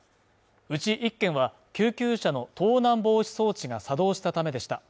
うち１件は、救急車の盗難防止装置が作動したためでした。